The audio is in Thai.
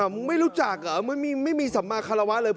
มรึงไม่รู้จักอ่ะไม่มีสัมมาคารวรรษเลย